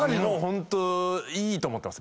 ホントいいと思ってます。